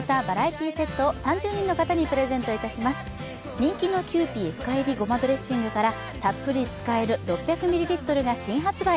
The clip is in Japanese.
人気のキユーピー深煎りごまドレッシングからたっぷり使える６００ｍｌが新発売。